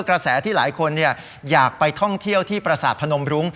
กระแสที่หลายคนอยากไปท่องเที่ยวที่ประสาทพนมรุ้ง